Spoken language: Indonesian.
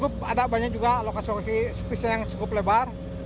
biasanya juga lokasi lokasi spesial yang cukup lebar